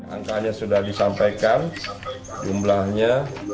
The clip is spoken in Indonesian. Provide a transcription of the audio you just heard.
angkanya sudah disampaikan jumlahnya